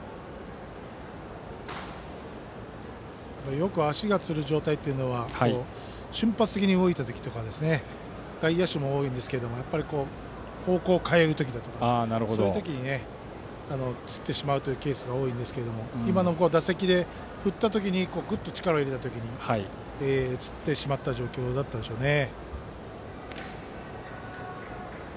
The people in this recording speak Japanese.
よく足がつる状態というのは瞬発的に動いた時など外野手に多いんですけどやっぱり方向を変える時とかにつってしまうというケースが多いんですけど今のは、打席で打った瞬間グッと力を入れた時につってしまった状況でしょうね。